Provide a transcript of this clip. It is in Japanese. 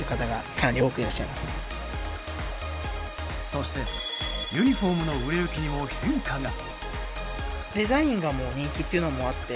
そして、ユニホームの売れ行きにも変化が。